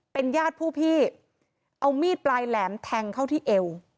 เป็นญาติผู้พี่เอามีดปลายแหลมแทงเข้าที่เอว